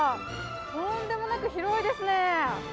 とんでもなく広いですね！